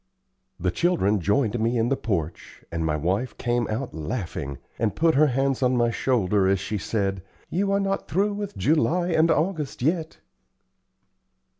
The children joined me in the porch, and my wife came out laughing, and put her hand on my shoulder as she said, "You are not through with July and August yet."